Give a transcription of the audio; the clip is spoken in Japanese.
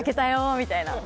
みたいな。